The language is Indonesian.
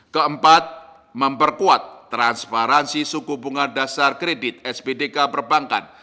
keempat memperkuat transparansi suku bunga dasar kredit spdk perbankan